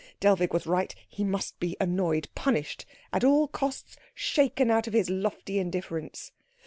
Dellwig was right he must be annoyed, punished, at all costs shaken out of his lofty indifference.